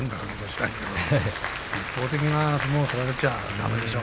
一方的な相撲を取られちゃ、だめでしょう。